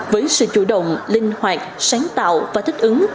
với sự chủ động linh hoạt sáng tạo và thích ứng